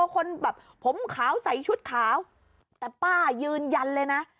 คนแบบผมขาวใส่ชุดขาวแต่ป้ายืนยันเลยนะ